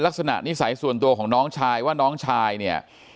ลักษณะนิสัยส่วนตัวของน้องชายว่าน้องชายเนี่ย